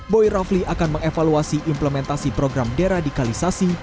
boy rafli akan mengevaluasi implementasi program deradikalisasi